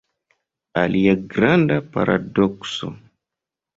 Alia granda paradokso.